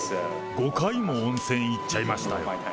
５回も温泉行っちゃいましたよ。